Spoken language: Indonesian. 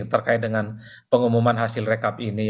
terkait dengan pengumuman hasil rekap ini